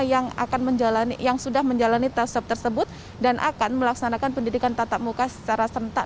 yang sudah menjalani tes swab tersebut dan akan melaksanakan pendidikan tatap muka secara serentak